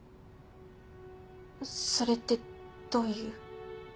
それってどういう。